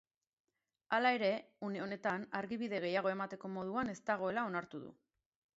Hala ere, une honetan argibide gehiago emateko moduan ez dagoela onartu du.